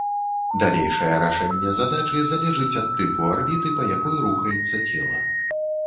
Далейшае рашэнне задачы залежыць ад тыпу арбіты, па якой рухаецца цела.